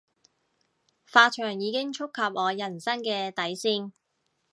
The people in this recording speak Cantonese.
髮長已經觸及我人生嘅底線